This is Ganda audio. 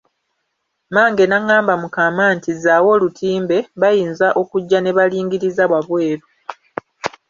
Mmange n'angamba mu kaama nti zzaawo olutimbe, bayinza okujja ne balingiririza wabweru.